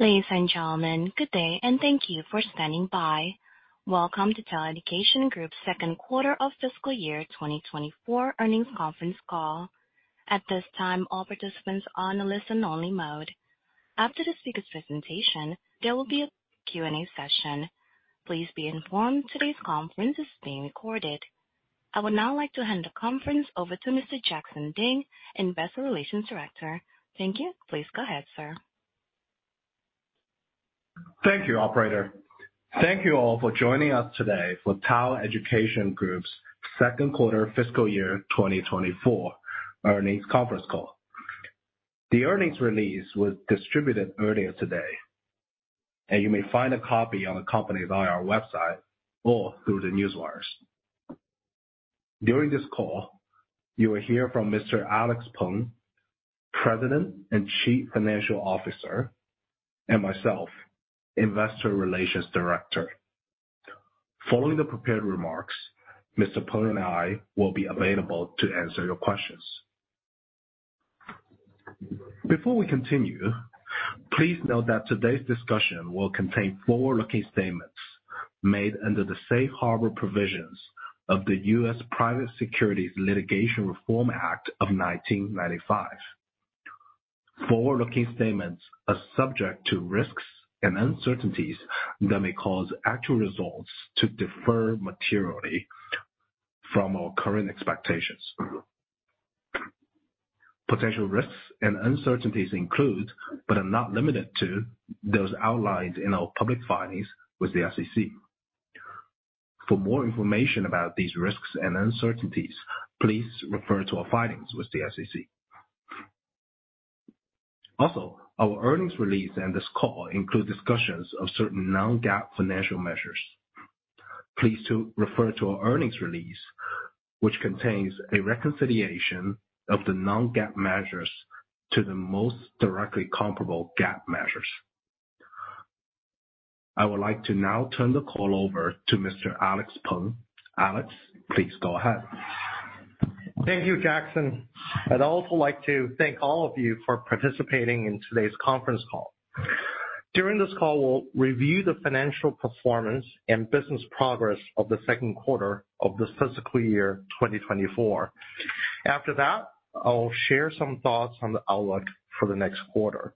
Ladies and gentlemen, good day, and thank you for standing by. Welcome to TAL Education Group's second quarter of fiscal year 2024 earnings conference call. At this time, all participants are on a listen-only mode. After the speaker's presentation, there will be a Q&A session. Please be informed today's conference is being recorded. I would now like to hand the conference over to Mr. Jackson Ding, Investor Relations Director. Thank you. Please go ahead, sir. Thank you, operator. Thank you all for joining us today for TAL Education Group's second quarter fiscal year 2024 earnings conference call. The earnings release was distributed earlier today, and you may find a copy on the company's IR website or through the newswires. During this call, you will hear from Mr. Alex Peng, President and Chief Financial Officer, and myself, Investor Relations Director. Following the prepared remarks, Mr. Peng and I will be available to answer your questions. Before we continue, please note that today's discussion will contain forward-looking statements made under the safe harbor provisions of the U.S. Private Securities Litigation Reform Act of 1995. Forward-looking statements are subject to risks and uncertainties that may cause actual results to differ materially from our current expectations. Potential risks and uncertainties include, but are not limited to, those outlined in our public filings with the SEC. For more information about these risks and uncertainties, please refer to our filings with the SEC. Also, our earnings release and this call include discussions of certain non-GAAP financial measures. Please refer to our earnings release, which contains a reconciliation of the non-GAAP measures to the most directly comparable GAAP measures. I would like to now turn the call over to Mr. Alex Peng. Alex, please go ahead. Thank you, Jackson. I'd also like to thank all of you for participating in today's conference call. During this call, we'll review the financial performance and business progress of the second quarter of this fiscal year, 2024. After that, I'll share some thoughts on the outlook for the next quarter.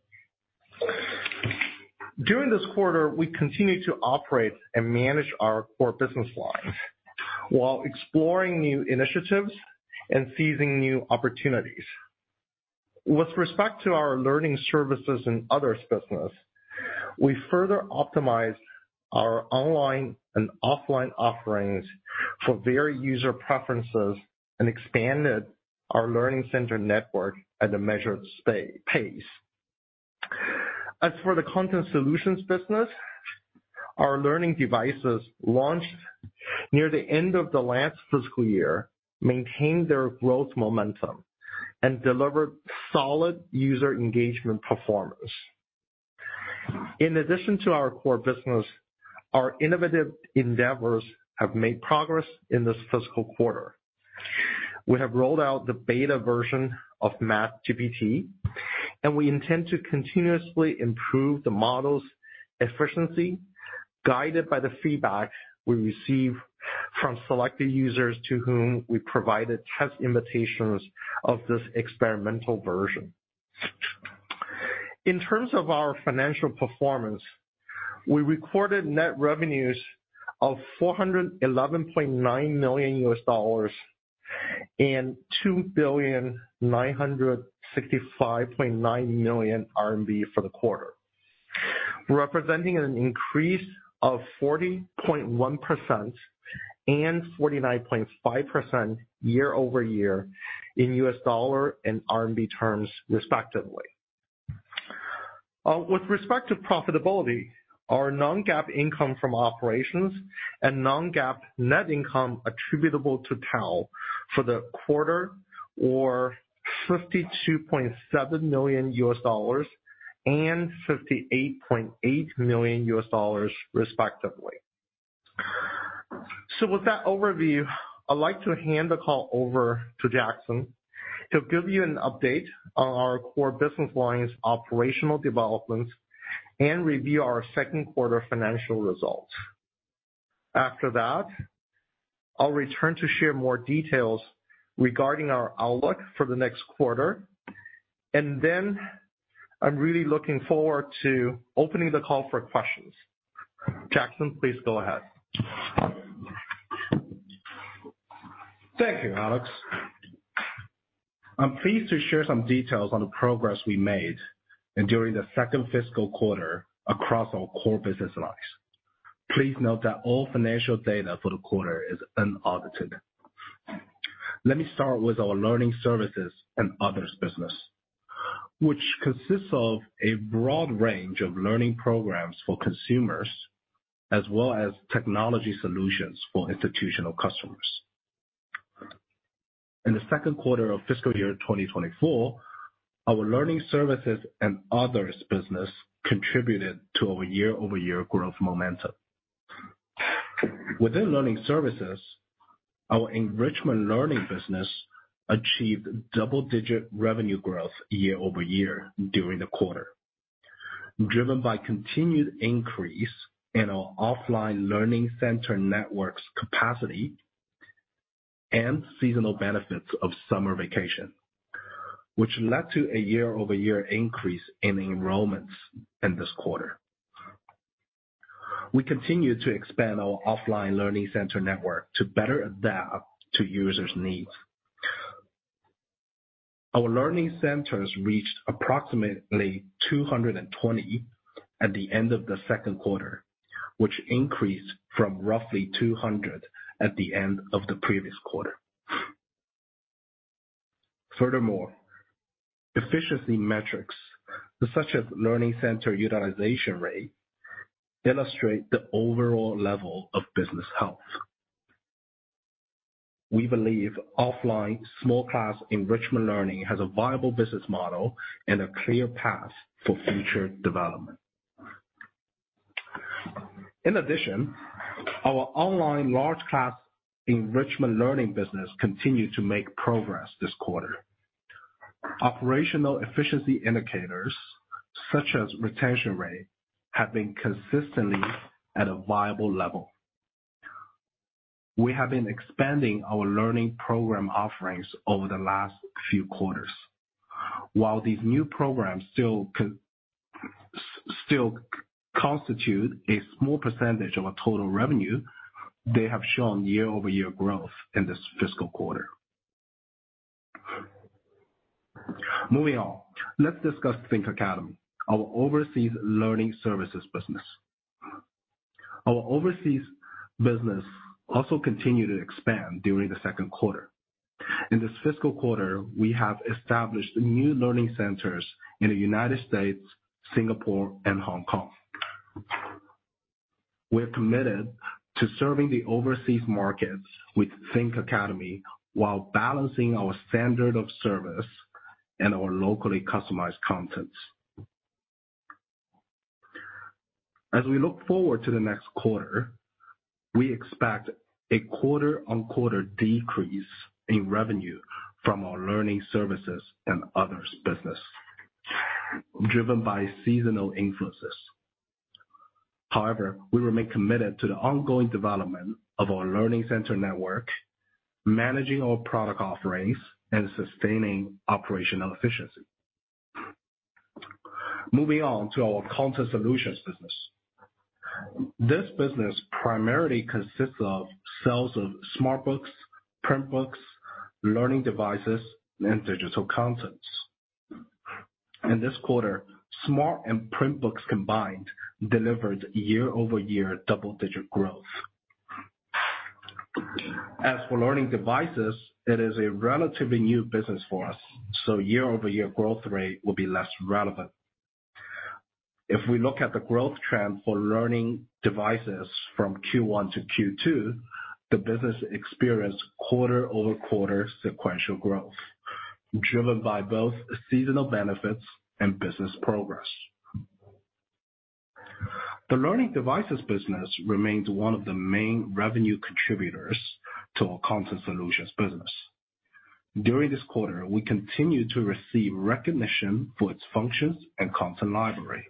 During this quarter, we continued to operate and manage our core business lines while exploring new initiatives and seizing new opportunities. With respect to our Learning Services and others business, we further optimized our online and offline offerings for varied user preferences and expanded our learning center network at a measured pace. As for the Content Solutions business, our learning devices launched near the end of the last fiscal year, maintained their growth momentum and delivered solid user engagement performance. In addition to our core business, our innovative endeavors have made progress in this fiscal quarter. We have rolled out the beta version of MathGPT, and we intend to continuously improve the model's efficiency, guided by the feedback we receive from selected users to whom we provided test invitations of this experimental version. In terms of our financial performance, we recorded net revenues of $411.9 million and CNY 2,965.9 million for the quarter, representing an increase of 40.1% and 49.5% year-over-year in U.S. dollar and RMB terms, respectively. With respect to profitability, our non-GAAP income from operations and non-GAAP net income attributable to TAL for the quarter, or $52.7 million and $58.8 million, respectively. With that overview, I'd like to hand the call over to Jackson to give you an update on our core business lines, operational developments, and review our second quarter financial results. After that, I'll return to share more details regarding our outlook for the next quarter, and then I'm really looking forward to opening the call for questions. Jackson, please go ahead. Thank you, Alex. I'm pleased to share some details on the progress we made and during the second fiscal quarter across our core business lines. Please note that all financial data for the quarter is unaudited. Let me start with our Learning Services and others business, which consists of a broad range of learning programs for consumers, as well as technology solutions for institutional customers. In the second quarter of fiscal year 2024, our Learning Services and others business contributed to our year-over-year growth momentum. Within Learning Services, our enrichment learning business achieved double-digit revenue growth year-over-year during the quarter, driven by continued increase in our offline learning center network's capacity and seasonal benefits of summer vacation, which led to a year-over-year increase in enrollments in this quarter. We continue to expand our offline learning center network to better adapt to users' needs. Our learning centers reached approximately 220 at the end of the second quarter, which increased from roughly 200 at the end of the previous quarter. Furthermore, efficiency metrics, such as learning center utilization rate, illustrate the overall level of business health. We believe offline small class enrichment learning has a viable business model and a clear path for future development. In addition, our online large class enrichment learning business continued to make progress this quarter. Operational efficiency indicators, such as retention rate, have been consistently at a viable level. We have been expanding our learning program offerings over the last few quarters. While these new programs still constitute a small percentage of our total revenue, they have shown year-over-year growth in this fiscal quarter. Moving on, let's discuss Think Academy, our Overseas Learning Services business. Our Overseas business also continued to expand during the second quarter. In this fiscal quarter, we have established new learning centers in the United States, Singapore, and Hong Kong. We're committed to serving the overseas markets with Think Academy while balancing our standard of service and our locally customized contents. As we look forward to the next quarter, we expect a quarter-on-quarter decrease in revenue from our Learning Services and others business, driven by seasonal influences. However, we remain committed to the ongoing development of our learning center network, managing our product offerings, and sustaining operational efficiency. Moving on to our Content Solutions business. This business primarily consists of sales of smart books, print books, learning devices, and digital contents. In this quarter, smart and print books combined delivered year-over-year double-digit growth. As for learning devices, it is a relatively new business for us, so year-over-year growth rate will be less relevant. If we look at the growth trend for learning devices from Q1-Q2, the business experienced quarter-over-quarter sequential growth, driven by both seasonal benefits and business progress. The learning devices business remains one of the main revenue contributors to our Content Solutions business. During this quarter, we continued to receive recognition for its functions and content library.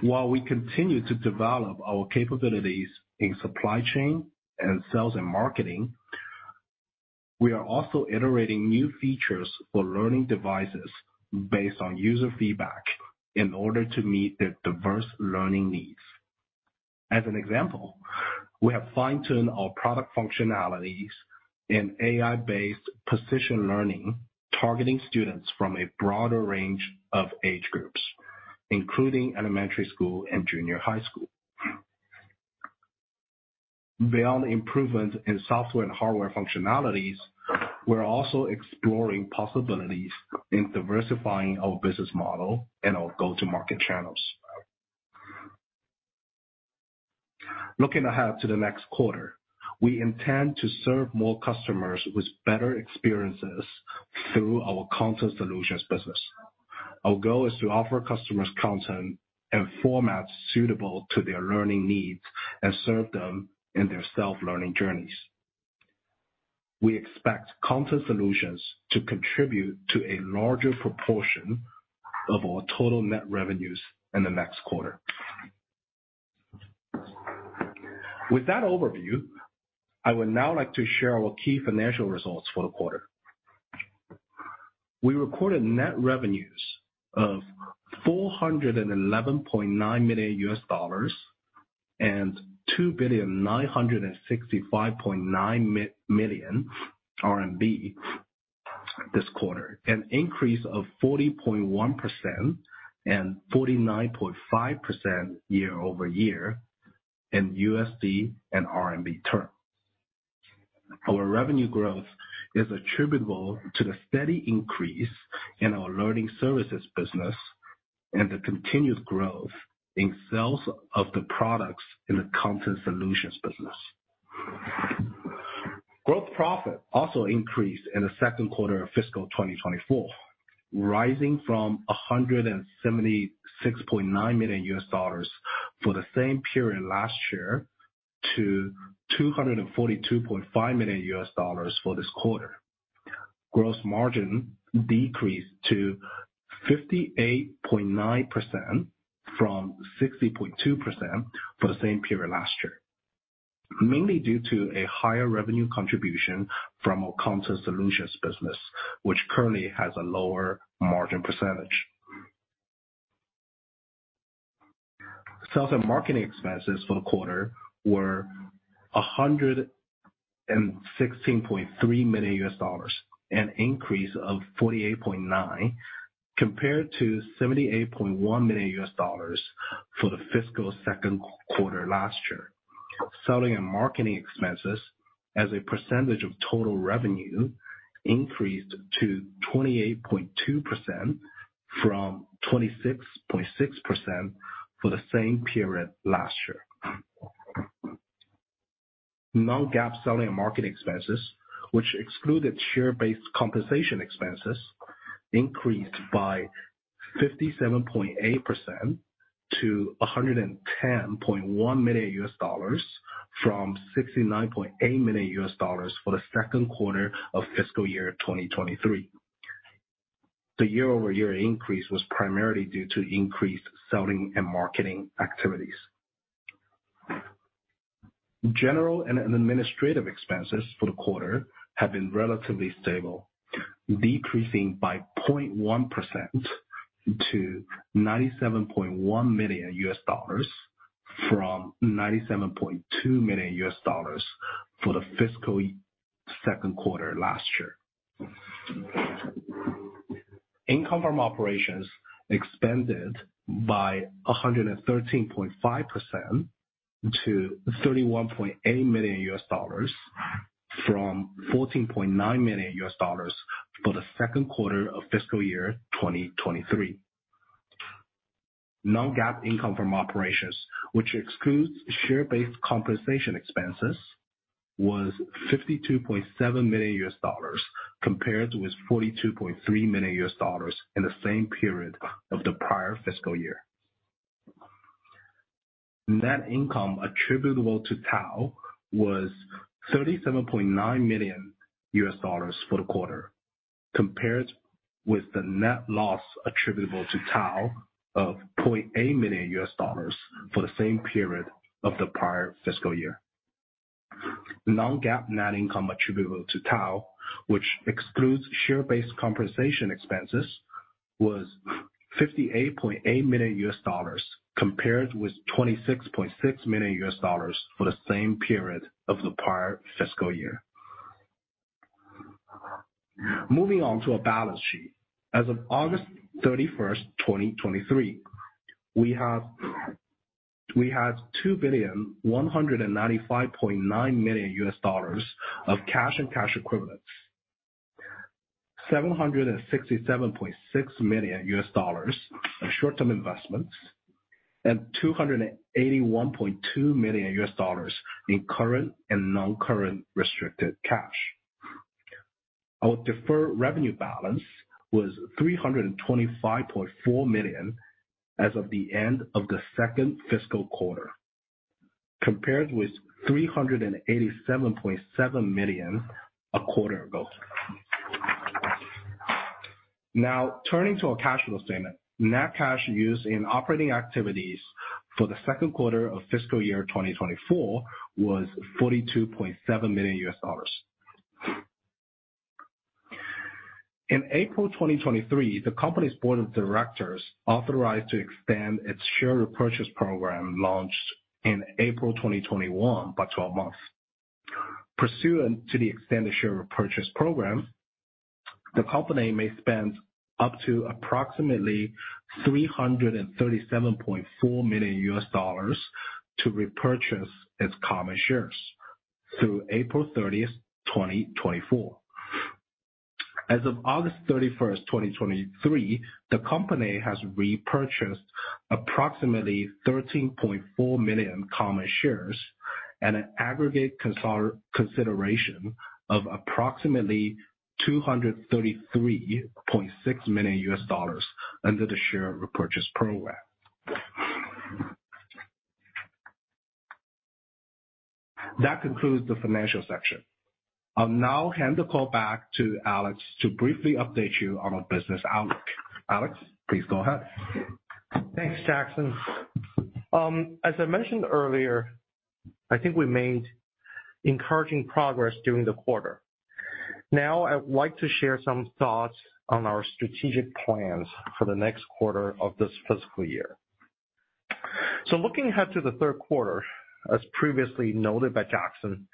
While we continue to develop our capabilities in supply chain and sales and marketing, we are also iterating new features for learning devices based on user feedback in order to meet their diverse learning needs. As an example, we have fine-tuned our product functionalities in AI-based precision learning, targeting students from a broader range of age groups, including elementary school and junior high school. Beyond improvements in software and hardware functionalities, we're also exploring possibilities in diversifying our business model and our go-to-market channels. Looking ahead to the next quarter, we intend to serve more customers with better experiences through our Content Solutions business. Our goal is to offer customers content and formats suitable to their learning needs and serve them in their self-learning journeys. We expect Content Solutions to contribute to a larger proportion of our total net revenues in the next quarter. With that overview, I would now like to share our key financial results for the quarter. We recorded net revenues of $411.9 million and CNY 2,965.9 million this quarter, an increase of 40.1% and 49.5% year-over-year in USD and CNY terms. Our revenue growth is attributable to the steady increase in our Learning Services business and the continuous growth in sales of the products in the Content Solutions business. Gross profit also increased in the second quarter of fiscal 2024, rising from $176.9 million for the same period last year, to $242.5 million for this quarter. Gross margin decreased to 58.9% from 60.2% for the same period last year, mainly due to a higher revenue contribution from our Content Solutions business, which currently has a lower margin percentage. Sales and marketing expenses for the quarter were $116.3 million, an increase of $48.9 million, compared to $78.1 million for the fiscal second quarter last year. Selling and marketing expenses as a percentage of total revenue increased to 28.2% from 26.6% for the same period last year. Non-GAAP selling and marketing expenses, which excluded share-based compensation expenses, increased by 57.8% to $110.1 million, from $69.8 million for the second quarter of fiscal year 2023. The year-over-year increase was primarily due to increased selling and marketing activities. General and administrative expenses for the quarter have been relatively stable, decreasing by 0.1% to $97.1 million from $97.2 million for the fiscal second quarter last year. Income from operations expanded by 113.5% to $31.8 million, from $14.9 million for the second quarter of fiscal year 2023. Non-GAAP income from operations, which excludes share-based compensation expenses, was $52.7 million, compared with $42.3 million in the same period of the prior fiscal year. Net income attributable to TAL was $37.9 million for the quarter, compared with the net loss attributable to TAL of $0.8 million for the same period of the prior fiscal year. Non-GAAP net income attributable to TAL, which excludes share-based compensation expenses, was $58.8 million, compared with $26.6 million for the same period of the prior fiscal year. Moving on to our balance sheet. As of August 31, 2023, we have, we had $2,195.9 million of cash and cash equivalents, $767.6 million in short-term investments, and $281.2 million in current and non-current restricted cash. Our deferred revenue balance was $325.4 million as of the end of the second fiscal quarter, compared with $387.7 million a quarter ago. Now, turning to our cash flow statement. Net cash used in operating activities for the second quarter of fiscal year 2024 was $42.7 million. In April 2023, the company's Board of Directors authorized to extend its share repurchase program, launched in April 2021, by 12 months. Pursuant to the extended share repurchase program, the company may spend up to approximately $337.4 million to repurchase its common shares through April 30, 2024. As of August 31, 2023, the company has repurchased approximately 13.4 million common shares at an aggregate consideration of approximately $233.6 million under the share repurchase program. That concludes the financial section. I'll now hand the call back to Alex to briefly update you on our business outlook. Alex, please go ahead. Thanks, Jackson. As I mentioned earlier, I think we made encouraging progress during the quarter. Now, I'd like to share some thoughts on our strategic plans for the next quarter of this fiscal year. So looking ahead to the third quarter, as previously noted by Jackson,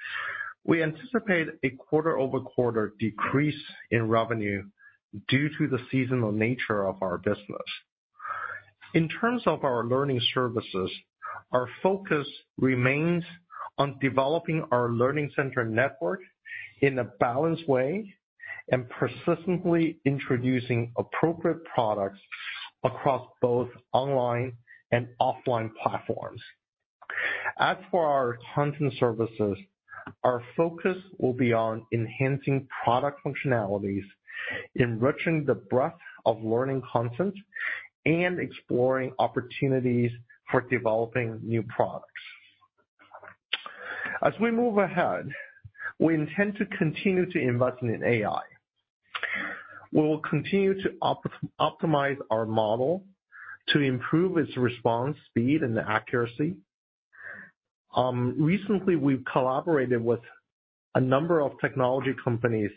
we anticipate a quarter-over-quarter decrease in revenue due to the seasonal nature of our business. In terms of our Learning Services, our focus remains on developing our learning center network in a balanced way and persistently introducing appropriate products across both online and offline platforms. As for our Content Services, our focus will be on enhancing product functionalities, enriching the breadth of learning content, and exploring opportunities for developing new products. As we move ahead, we intend to continue to invest in AI. We will continue to optimize our model to improve its response, speed, and accuracy. Recently, we've collaborated with a number of technology companies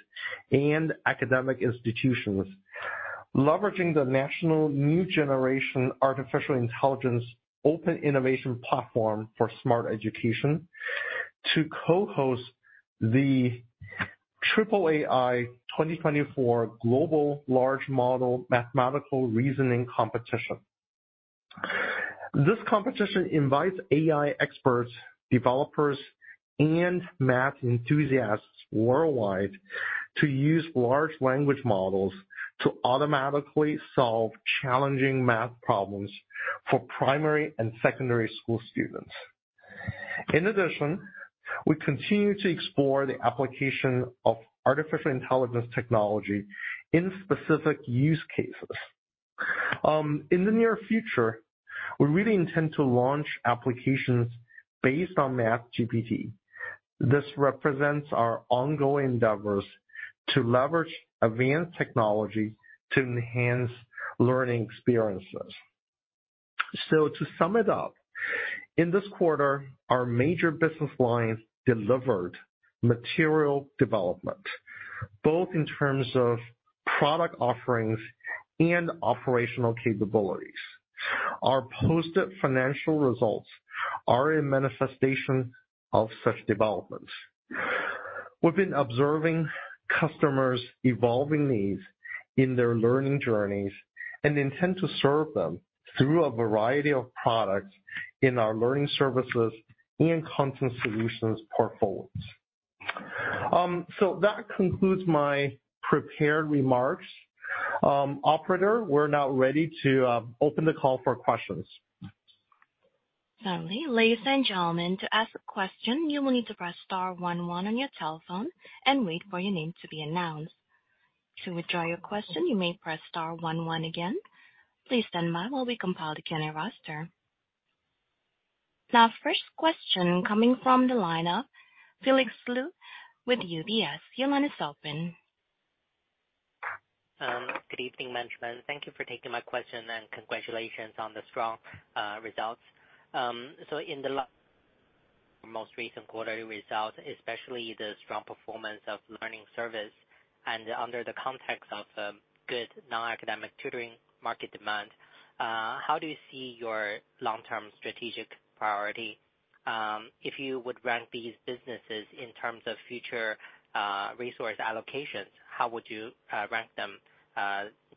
and academic institutions, leveraging the National New Generation Artificial Intelligence Open Innovation Platform for Smart Education, to co-host the AAAI 2024 Global Large Model Mathematical Reasoning Competition. This competition invites AI experts, developers, and math enthusiasts worldwide to use large language models to automatically solve challenging math problems for primary and secondary school students. In addition, we continue to explore the application of artificial intelligence technology in specific use cases. In the near future, we really intend to launch applications based on MathGPT. This represents our ongoing endeavors to leverage advanced technology to enhance learning experiences. So to sum it up, in this quarter, our major business lines delivered material development, both in terms of product offerings and operational capabilities. Our posted financial results are a manifestation of such developments. We've been observing customers' evolving needs in their learning journeys and intend to serve them through a variety of products in our Learning Services and Content Solutions portfolios. So that concludes my prepared remarks. Operator, we're now ready to open the call for questions. Certainly. Ladies and gentlemen, to ask a question, you will need to press star one one on your telephone and wait for your name to be announced. To withdraw your question, you may press star one one again. Please stand by while we compile the current roster. Now, first question coming from the line of Felix Liu with UBS. Your line is open. Good evening, management. Thank you for taking my question, and congratulations on the strong results. So in the most recent quarterly results, especially the strong performance of Learning Service and under the context of good non-academic tutoring market demand, how do you see your long-term strategic priority? If you would rank these businesses in terms of future resource allocations, how would you rank them?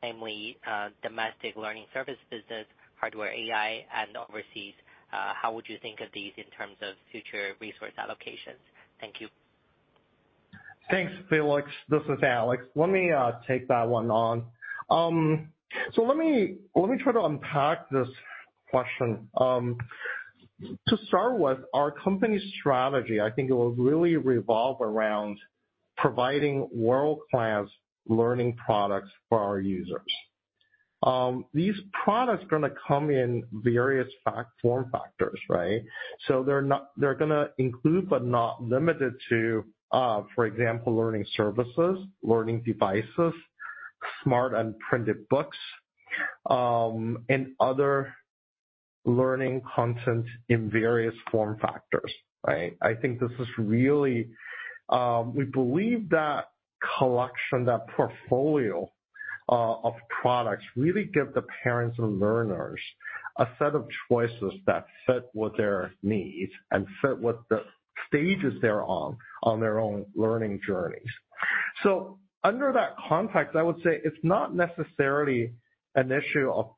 Namely, Domestic Learning Service business, hardware, AI, and overseas. How would you think of these in terms of future resource allocations? Thank you. Thanks, Felix. This is Alex. Let me take that one on. So let me try to unpack this question. To start with, our company's strategy, I think it will really revolve around providing world-class learning products for our users. These products are gonna come in various form factors, right? So they're gonna include, but not limited to, for example, learning services, learning devices, smart and printed books, and other learning content in various form factors, right? I think this is really. We believe that collection, that portfolio, of products really give the parents and learners a set of choices that fit with their needs and fit with the stages they're on, on their own learning journeys. Under that context, I would say it's not necessarily an issue of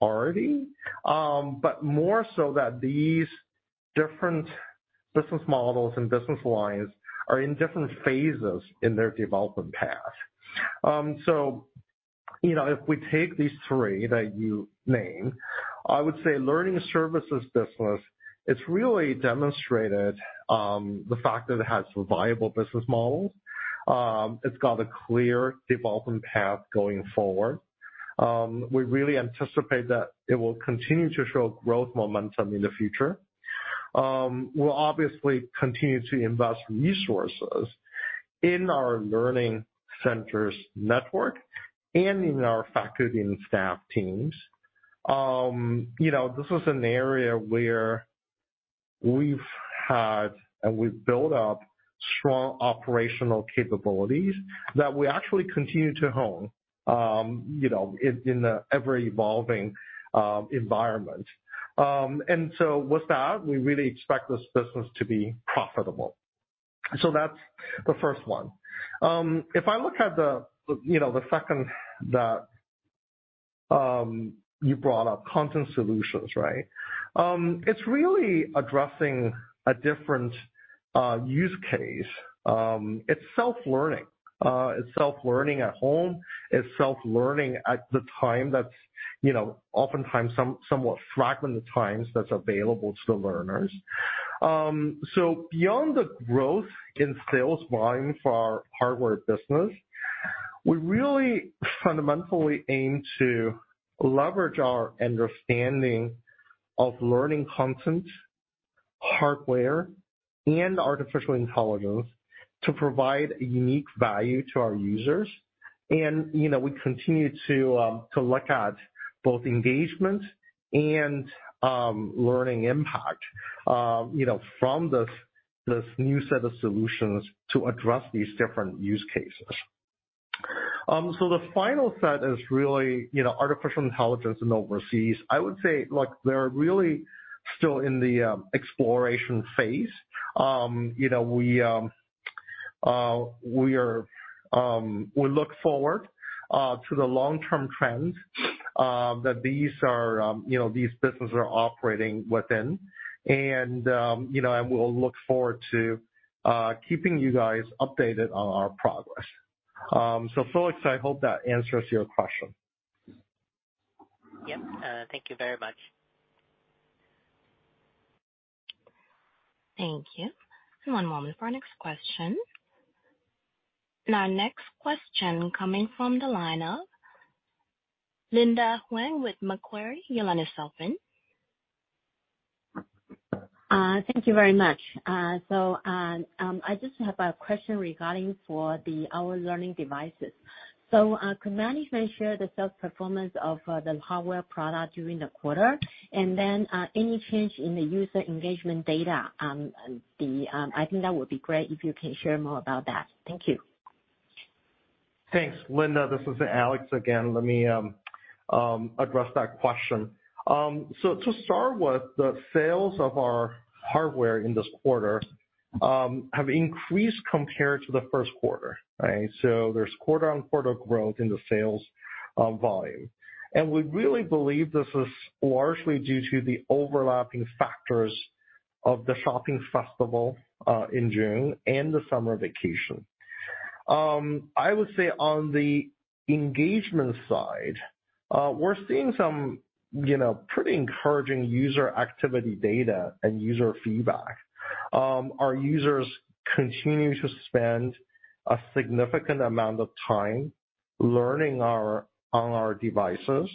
priority, but more so that these different business models and business lines are in different phases in their development path. You know, if we take these three that you named, I would say Learning Services business. It's really demonstrated the fact that it has viable business models. It's got a clear development path going forward. We really anticipate that it will continue to show growth momentum in the future. We'll obviously continue to invest resources in our learning centers network and in our faculty and staff teams. You know, this is an area where we've had and we've built up strong operational capabilities that we actually continue to hone, you know, in the ever-evolving environment. And so with that, we really expect this business to be profitable. So that's the first one. If I look at the, you know, the second. You brought up Content Solutions, right? It's really addressing a different, use case. It's self-learning. It's self-learning at home, it's self-learning at the time that's, you know, oftentimes somewhat fragmented times that's available to the learners. So beyond the growth in sales volume for our hardware business, we really fundamentally aim to leverage our understanding of learning content, hardware, and artificial intelligence to provide a unique value to our users. And, you know, we continue to, to look at both engagement and, learning impact, you know, from this, this new set of solutions to address these different use cases. So the final set is really, you know, artificial intelligence and overseas. I would say, look, they're really still in the exploration phase. You know, we look forward to the long-term trends that these are, you know, these businesses are operating within. And, you know, and we'll look forward to keeping you guys updated on our progress. So Felix, I hope that answers your question. Yep. Thank you very much. Thank you. One moment for our next question. Our next question coming from the line of Linda Huang with Macquarie. Your line is open. Thank you very much. I just have a question regarding for the our learning devices. Could management share the sales performance of the hardware product during the quarter? And then, any change in the user engagement data. I think that would be great if you can share more about that. Thank you. Thanks, Linda. This is Alex again. Let me address that question. So to start with, the sales of our hardware in this quarter have increased compared to the first quarter, right? So there's quarter-over-quarter growth in the sales volume. And we really believe this is largely due to the overlapping factors of the shopping festival in June and the summer vacation. I would say on the engagement side, we're seeing some, you know, pretty encouraging user activity data and user feedback. Our users continue to spend a significant amount of time learning on our devices.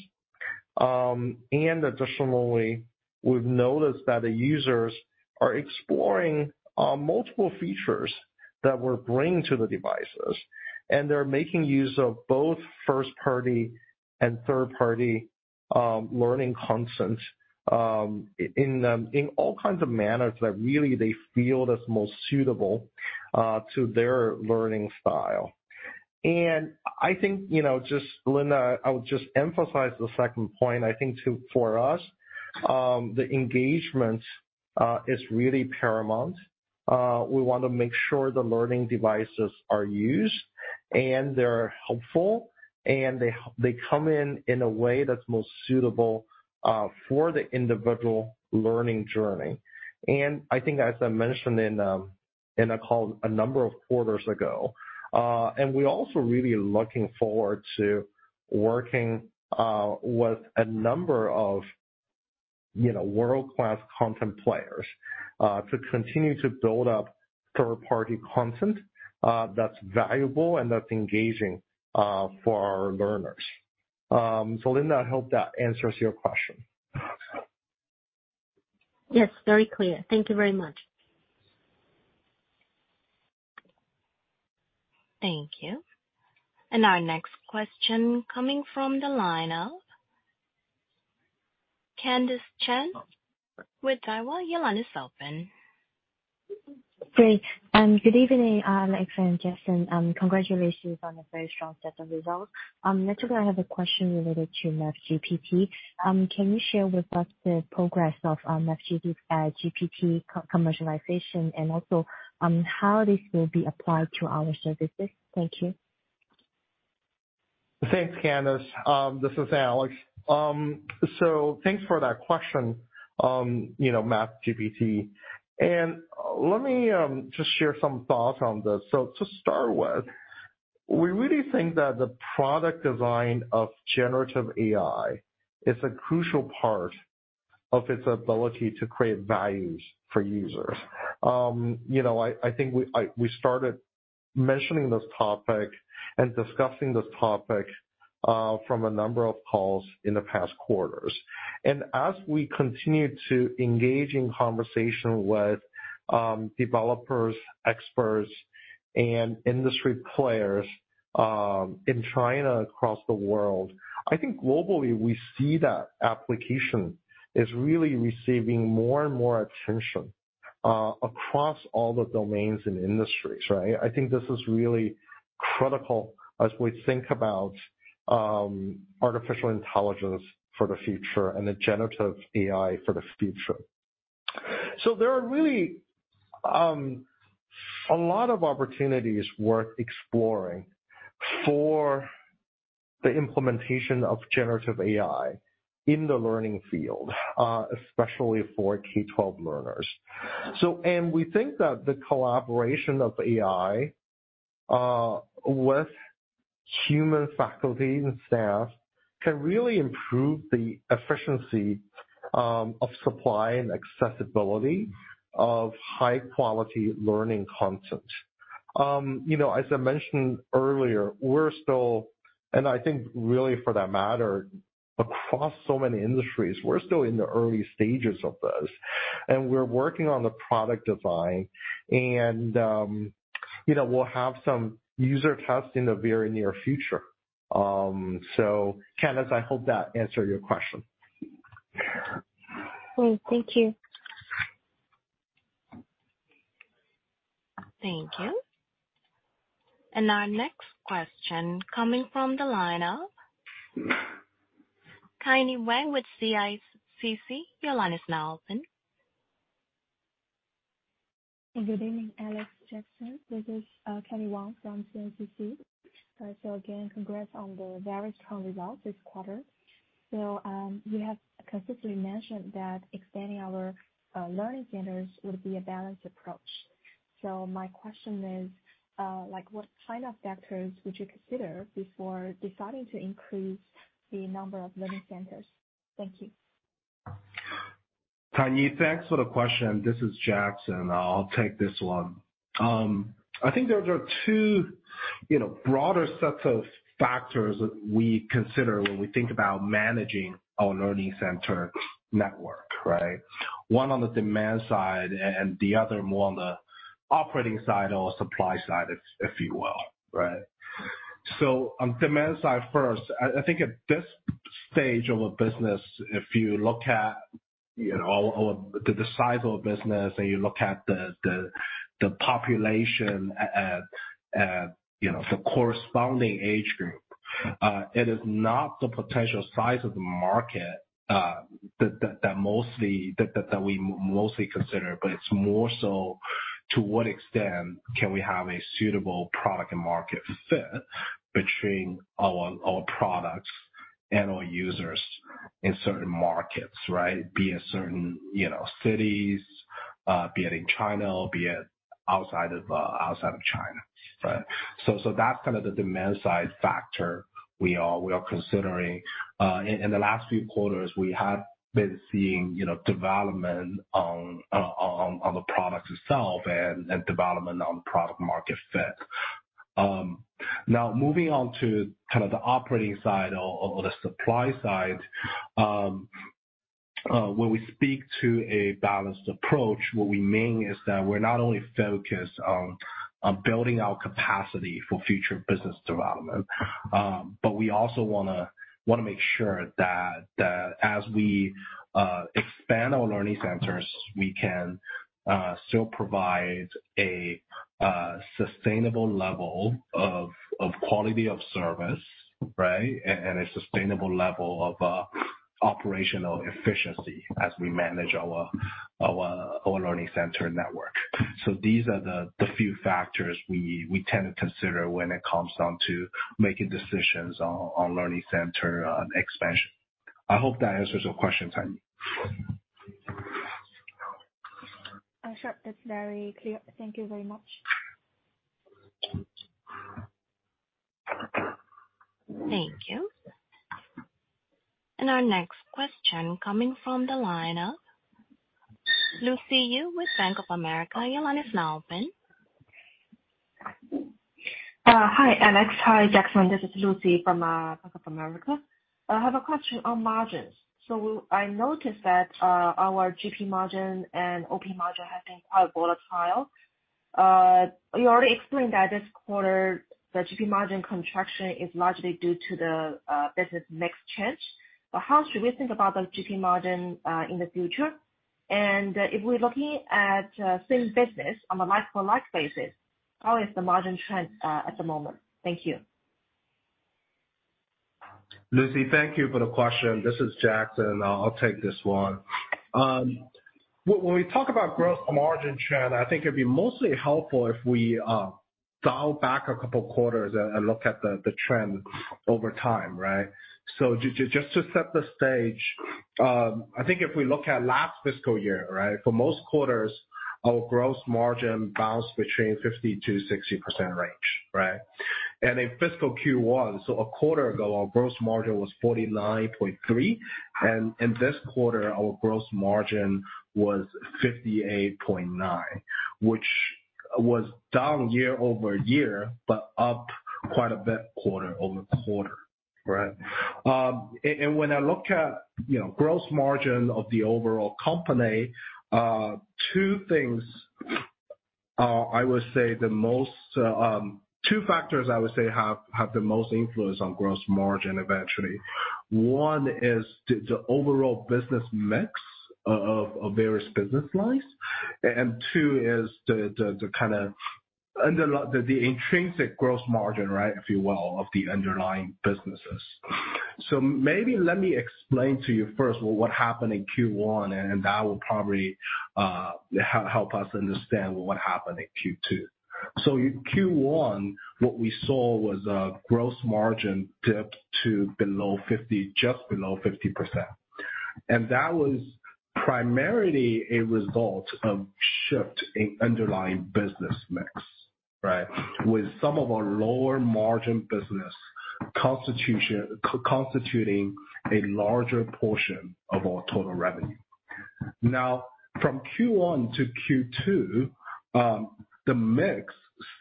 And additionally, we've noticed that the users are exploring multiple features that we're bringing to the devices, and they're making use of both first-party and third-party learning content in all kinds of manners that really they feel is most suitable to their learning style. And I think, you know, just Linda, I would just emphasize the second point. I think, too, for us, the engagement is really paramount. We want to make sure the learning devices are used, and they're helpful, and they come in a way that's most suitable for the individual learning journey. I think, as I mentioned in a call a number of quarters ago, and we're also really looking forward to working with a number of, you know, world-class content players to continue to build up third-party content that's valuable and that's engaging for our learners. So Linda, I hope that answers your question. Yes, very clear. Thank you very much. Thank you. Our next question coming from the line of Candis Chan with Daiwa. Your line is open. Great. Good evening, Alex and Jackson. Congratulations on a very strong set of results. Next I have a question related to MathGPT. Can you share with us the progress of MathGPT co-commercialization, and also how this will be applied to our services? Thank you. Thanks, Candis. This is Alex. So thanks for that question, you know, MathGPT. And let me just share some thoughts on this. So to start with, we really think that the product design of generative AI is a crucial part of its ability to create values for users. You know, I think we started mentioning this topic and discussing this topic from a number of calls in the past quarters. And as we continue to engage in conversation with developers, experts, and industry players in China, across the world, I think globally, we see that application is really receiving more and more attention across all the domains and industries, right? I think this is really critical as we think about artificial intelligence for the future and the generative AI for the future. So there are really a lot of opportunities worth exploring for the implementation of generative AI in the learning field, especially for K-12 learners. So we think that the collaboration of AI with human faculty and staff can really improve the efficiency of supply and accessibility of high quality learning content. You know, as I mentioned earlier, we're still, and I think really for that matter, across so many industries, we're still in the early stages of this, and we're working on the product design and, you know, we'll have some user tests in the very near future. So, Candis, I hope that answered your question. Well, thank you. Thank you. Our next question coming from the line of Caini Wang with CICC. Your line is now open. Good evening, Alex, Jackson. This is, Caini Wang from CICC. So again, congrats on the very strong results this quarter. So, you have consistently mentioned that expanding our, learning centers would be a balanced approach. So my question is, like, what kind of factors would you consider before deciding to increase the number of learning centers? Thank you. Caini, thanks for the question. This is Jackson. I'll take this one. I think there are two, you know, broader sets of factors that we consider when we think about managing our learning center network, right? One on the demand side and the other more on the operating side or supply side, if you will, right? So on demand side first, I think at this stage of a business, if you look at, you know, our the size of a business, and you look at the population at, you know, the corresponding age group, it is not the potential size of the market that we mostly consider, but it's more so to what extent can we have a suitable product and market fit between our products and our users in certain markets, right? Be it certain, you know, cities, be it in China, or be it outside of, outside of China, right? So that's kind of the demand side factor we are considering. In the last few quarters, we have been seeing, you know, development on the product itself and development on product market fit. Now moving on to kind of the operating side or the supply side. When we speak to a balanced approach, what we mean is that we're not only focused on building our capacity for future business development, but we also wanna make sure that as we expand our learning centers, we can still provide a sustainable level of quality of service, right? And a sustainable level of operational efficiency as we manage our learning center network. So these are the few factors we tend to consider when it comes down to making decisions on learning center expansion. I hope that answers your question, Caini. Sure. That's very clear. Thank you very much. Thank you. Our next question coming from the line of Lucy Yu with Bank of America. Your line is now open. Hi, Alex. Hi, Jackson. This is Lucy from Bank of America. I have a question on margins. So I noticed that our GP margin and OP margin have been quite volatile. You already explained that this quarter, the GP margin contraction is largely due to the business mix change. But how should we think about the GP margin in the future? And if we're looking at same business on a like-for-like basis, how is the margin trend at the moment? Thank you. Lucy, thank you for the question. This is Jackson. I'll take this one. When we talk about gross margin trend, I think it'd be mostly helpful if we dial back a couple quarters and look at the trend over time, right? So just to set the stage, I think if we look at last fiscal year, right, for most quarters, our gross margin bounced between 50%-60% range, right? In fiscal Q1, so a quarter ago, our gross margin was 49.3, and in this quarter, our gross margin was 58.9, which was down year-over-year, but up quite a bit quarter-over-quarter, right? And when I look at, you know, gross margin of the overall company, two things, I would say the most, two factors I would say have the most influence on gross margin eventually. One is the overall business mix of various business lines. And two is the kind of underlying, the intrinsic gross margin, right? If you will, of the underlying businesses. So maybe let me explain to you first what happened in Q1, and that will probably help us understand what happened in Q2. So in Q1, what we saw was a gross margin dip to below 50, just below 50%. And that was primarily a result of shift in underlying business mix, right? With some of our lower margin business constitution, constituting a larger portion of our total revenue. Now, from Q1-Q2, the mix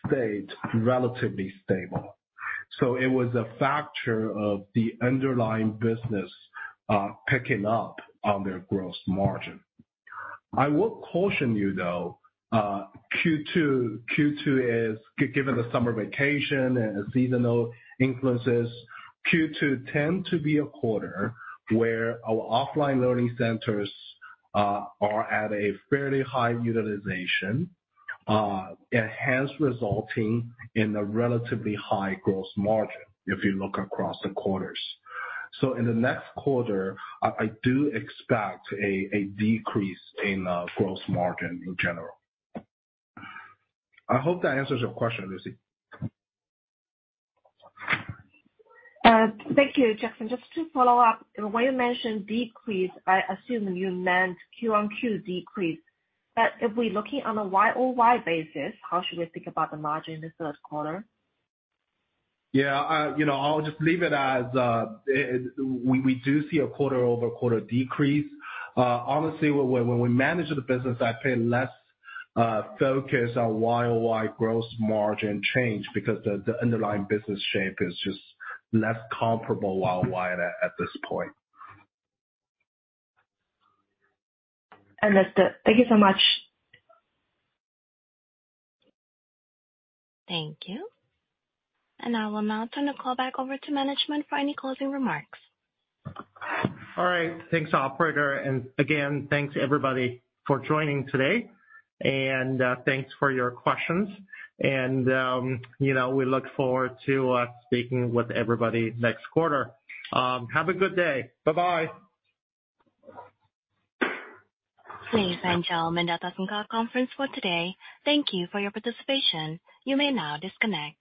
stayed relatively stable, so it was a factor of the underlying business picking up on their gross margin. I will caution you, though, Q2 is, given the summer vacation and seasonal influences, Q2 tend to be a quarter where our offline learning centers are at a fairly high utilization, and hence resulting in a relatively high gross margin, if you look across the quarters. So in the next quarter, I do expect a decrease in gross margin in general. I hope that answers your question, Lucy. Thank you, Jackson. Just to follow up, when you mentioned decrease, I assume you meant QoQ decrease. But if we're looking on a YoY basis, how should we think about the margin in this third quarter? Yeah, you know, I'll just leave it as we do see a quarter-over-quarter decrease. Honestly, when we manage the business, I pay less focus on YoY gross margin change because the underlying business shape is just less comparable YoY at this point. Understood. Thank you so much. Thank you. I will now turn the call back over to management for any closing remarks. All right. Thanks, operator. And again, thanks everybody for joining today, and thanks for your questions. And, you know, we look forward to speaking with everybody next quarter. Have a good day. Bye-bye! Ladies and gentlemen, that does end our conference for today. Thank you for your participation. You may now disconnect.